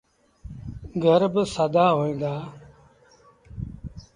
گھر با سآدآ هوئيݩ دآ۔